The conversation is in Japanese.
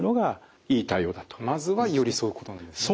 まずは寄り添うことなんですね。